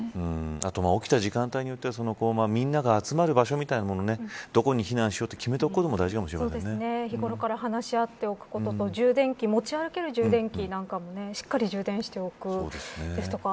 あとは起きた時間帯によってはみんなが集まる場所みたいなものってどこに避難しようと決めておくのも日頃から話し合っておくことと持ち歩ける充電器器なんかもしっかり、充電しておくとか。